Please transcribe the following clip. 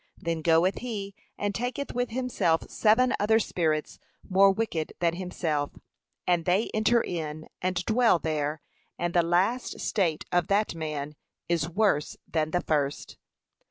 Then goeth he, and taketh with himself seven other spirits more wicked than himself, and they enter in and dwell there: and the last state of that man is worse than the first.'